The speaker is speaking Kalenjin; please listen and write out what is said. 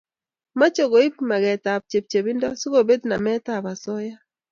mache koip maget ab chepchepindo si kepet namet ab asoya